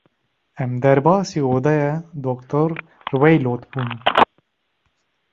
Em derbasî oda Dr. Rweylot bûn.